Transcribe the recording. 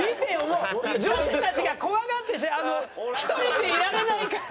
もう女子たちが怖がって１人でいられないから。